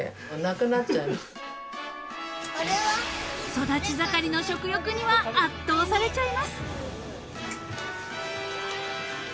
［育ち盛りの食欲には圧倒されちゃいます］